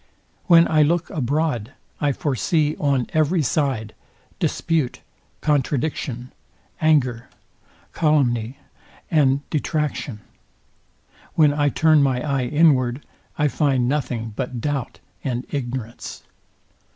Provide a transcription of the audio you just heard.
When I look abroad, I foresee on every side, dispute, contradiction, anger, calumny and detraction. When I turn my eye inward, I find nothing but doubt and ignorance.